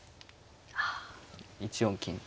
１四金と。